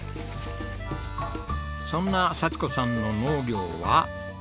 そんな幸子さんの農業は。